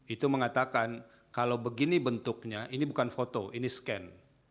itu mengatakan kalau begini bentuknya ini bukan foto ini scan